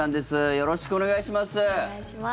よろしくお願いします。